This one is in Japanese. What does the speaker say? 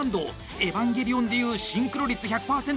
「エヴァンゲリオン」で言うシンクロ率１００％！